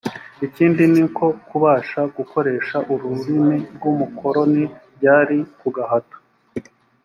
ikindi ni uko kubasha gukoresha ururimi rw’umukoroni byari ku gahato